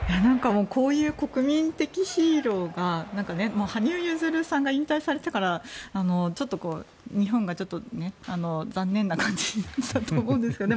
こういう国民的ヒーローが羽生結弦さんが引退されたから日本が残念な感じだと思うんですよね。